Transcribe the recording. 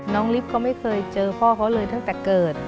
ลิฟต์ก็ไม่เคยเจอพ่อเขาเลยตั้งแต่เกิด